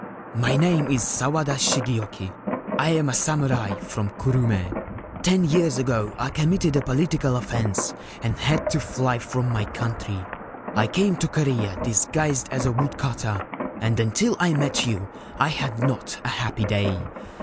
My name is Sawada Shigeoki. I am a samurai from Kurume. Ten years ago I committed a political offence and had to fly from my country. I came to Korea dis guised as a woodcutter, and until I met you I had not a happy day.